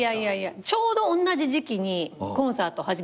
ちょうどおんなじ時期にコンサート始めたからね。